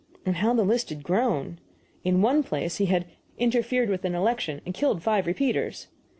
And how the list had grown! In one place he had "interfered with an election and killed five repeaters."